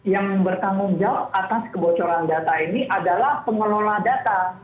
yang bertanggung jawab atas kebocoran data ini adalah pengelola data